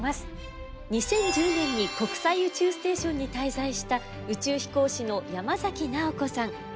２０１０年に国際宇宙ステーションに滞在した宇宙飛行士の山崎直子さん。